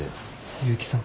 結城さん。